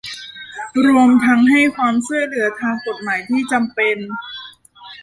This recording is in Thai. รวมทั้งให้ความช่วยเหลือทางกฎหมายที่จำเป็น